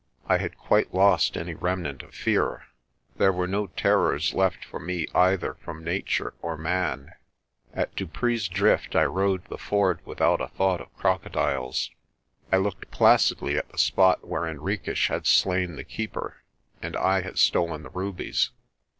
I had quite lost any remnant of fear. There were no terrors left for me either from Nature or man. At Dupree's Drift I rode the ford without a thought of crocodiles. I looked placidly at the spot where Henriques had slain the Keeper and I had stolen the rubies.